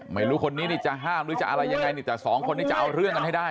ไม่รู้คนนี้นี่จะห้ามหรือจะอะไรยังไงนี่แต่สองคนนี้จะเอาเรื่องกันให้ได้